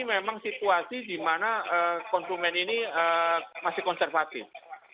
ini memang situasi di mana konsumen ini masih konservatif